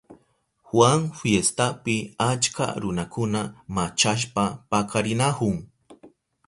Juan fiestapi achka runakuna machashpa pakarinahun.